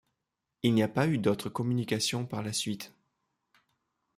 Il n'y a pas eu d'autres communications par la suite.